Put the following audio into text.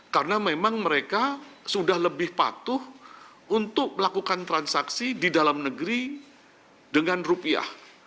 karena memang mereka sudah lebih patuh untuk melakukan transaksi di dalam negeri dengan rupiah